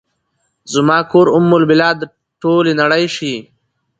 زما کور ام البلاد ، ټولې نړۍ شي